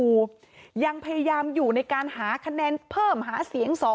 อยู่ยังพยายามอยู่ในการหาคะแนนเพิ่มหาเสียงสอ